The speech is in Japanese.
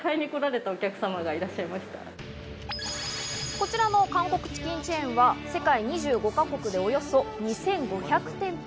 こちらの韓国チキンチェーンは世界２５か国でおよそ２５００店舗。